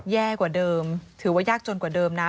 แย่กว่าเดิมถือว่ายากจนกว่าเดิมนะ